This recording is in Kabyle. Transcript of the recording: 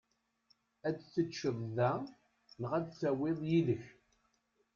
Ad teččeḍ da neɣ ad tawiḍ yid-k?